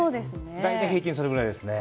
大体平均それぐらいですね。